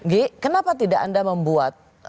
g kenapa tidak anda membuat